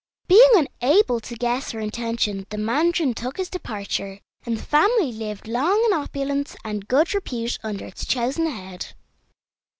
Being unable to guess her intention the mandarin took his departure, and the family lived long in opulence and good repute under its chosen head.